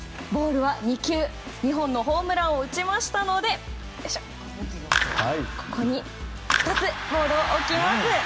２本のホームランを打ちましたのでここに２つボールを置きます。